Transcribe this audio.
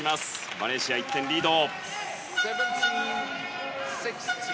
マレーシア、１点リード。